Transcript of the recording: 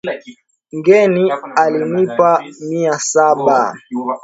Ngeni alinipa Mia saba